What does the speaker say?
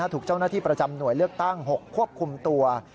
ถูกเจ้าหน้าที่ประจำหน่วยเลือกตั้ง๖ควบคุมตัว